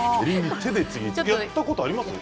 やったことありますか